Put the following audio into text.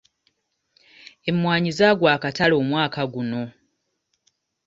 Emwanyi zaagwa akatale omwaka guno.